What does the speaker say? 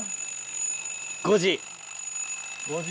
５時。